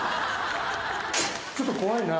ちょっと怖いな。